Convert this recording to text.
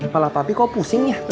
ini kepala papi kok pusing ya